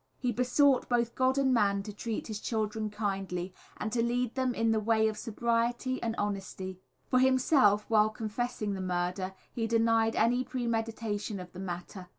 He besought both God and man to treat his children kindly, and to lead them in the way of sobriety and honesty. For himself, while confessing the murder, he denied any premeditation of the matter.